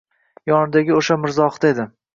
Yonidagi o‘sha Mirzohid edi